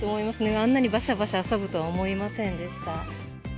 あんなにばしゃばしゃ遊ぶとは思いませんでした。